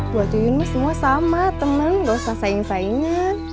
buat yuyun mah semua sama teman gak usah saing saingan